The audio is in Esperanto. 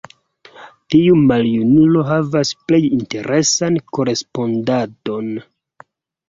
Tiu maljunulo havas plej interesan korespondadon.